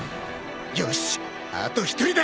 よしあと１人だ。